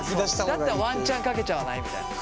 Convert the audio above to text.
だったらワンチャンかけちゃわないみたいな。